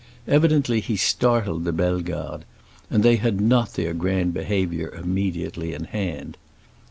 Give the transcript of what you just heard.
Evidently he startled the Bellegardes, and they had not their grand behavior immediately in hand.